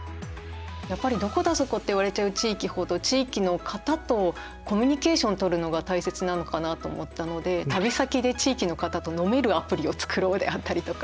やっぱり「どこだそこ」って言われちゃう地域ほど地域の方とコミュニケーション取るのが大切なのかなと思ったので旅先で地域の方と飲めるアプリを作ろうであったりとか。